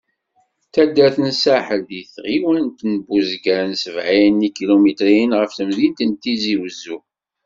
D taddart n Saḥel, di tɣiwant n Buzgan sebεin n yikilumitren ɣef temdint n Tizi Uzzu.